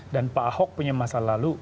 dan pak ahok punya masalah lalu